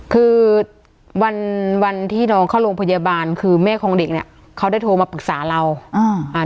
คือวันวันที่น้องเข้าโรงพยาบาลคือแม่ของเด็กเนี้ยเขาได้โทรมาปรึกษาเราอ่าอ่า